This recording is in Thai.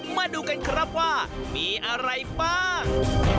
มาดูกันครับว่ามีอะไรบ้าง